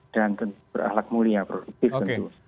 dan tentu berahlak mulia produktif tentu